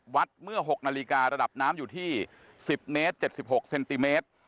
เมื่อ๖นาฬิการะดับน้ำอยู่ที่๑๐เมตร๗๖เซนติเมตร